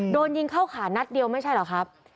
โดนยิงเข้าขานัดเดียวไม่ใช่เหรอครับ